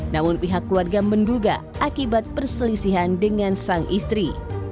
namun pihak keluarga menduga akibat perselisihan dengan sang istri